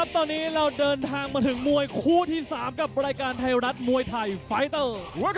ตอนนี้เราเดินทางมาถึงมวยคู่ที่๓กับรายการไทยรัฐมวยไทยไฟเตอร์